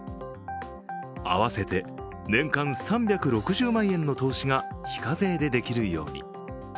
合わせて年間３６０万円の投資が非課税でできるように。